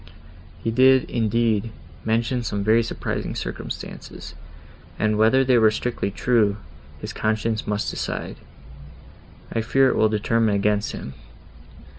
He did, indeed, mention some very surprising circumstances, and whether they were strictly true, his conscience must decide; I fear it will determine against him.